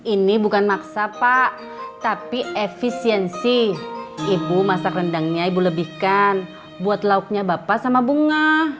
ini bukan maksa pak tapi efisiensi ibu masak rendangnya ibu lebihkan buat lauknya bapak sama bunga